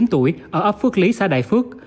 ba mươi chín tuổi ở ấp phước lý xã đại phước